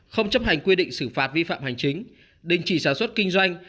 không chấp hành quy định xử phạt vi phạm hành chính đình chỉ sản xuất kinh doanh